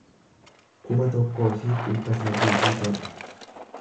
kuma tokkoo fi dhibba sadii fi torba